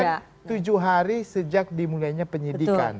spdp itu kan tujuh hari sejak dimulainya penyelidikan